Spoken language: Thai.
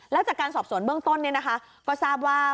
แล้วจากการสอบสวนเบื้องต้นก็ทราบว่า